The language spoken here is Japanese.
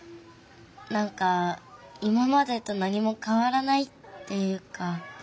なんか今までと何もかわらないっていうか。